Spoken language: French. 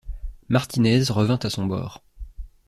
Martinez revint à son bord.